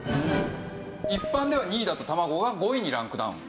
一般では２位だった卵が５位にランクダウン。